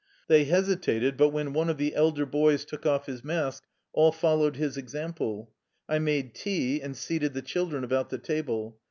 They hesitated; but when one of the elder boys took off his mask, all fol lowed his example. I made tea, and seated the children about the table.